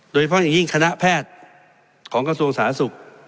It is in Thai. โดยเฉพาะอย่างยิ่งคณะแพทย์ของกระทรวงสาธารณสุข